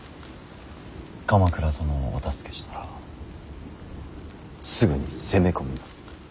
鎌倉殿をお助けしたらすぐに攻め込みます。